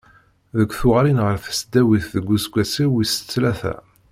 Deg tuɣalin ɣer tesdawit deg useggas-iw wis tlata.